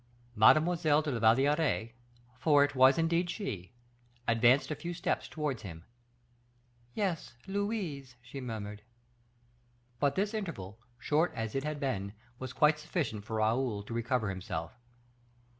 Mademoiselle de la Valliere for it was indeed she advanced a few steps towards him. "Yes Louise," she murmured. But this interval, short as it had been, was quite sufficient for Raoul to recover himself.